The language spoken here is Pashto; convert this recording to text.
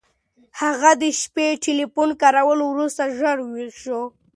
هغه د شپې ټیلیفون کارولو وروسته ژر ویښ شو.